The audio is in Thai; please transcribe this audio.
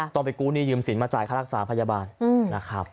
ต้องไปกู้หนี้ยืมสินมาจ่ายค่ารักษาพยาบาลนะครับ